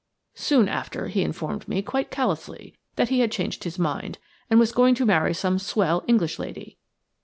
Soon after, he informed me, quite callously, that he had changed his mind, and was going to marry some swell English lady.